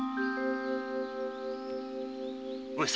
上様。